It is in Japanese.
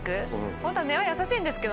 ホントは根は優しいんですけどね。